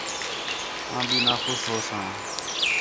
آں بھی نا خوش ہوساں